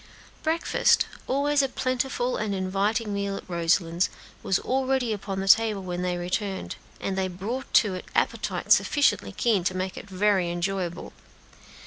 Breakfast always a plentiful and inviting meal at Roselands was already upon the table when they returned, and they brought to it appetites sufficiently keen to make it very enjoyable.